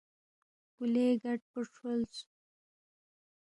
کُلے گٹ پو کھرولس